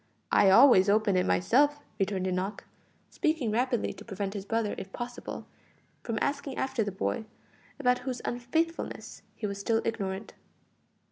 I always open it myself;" returned Enoch, speaking rapidly to prevent his brother, if possible, from asking after the boy, about whose unfaithfulness he was still ignorant.